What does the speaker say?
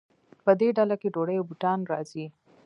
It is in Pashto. په دې ډله کې ډوډۍ او بوټان راځي.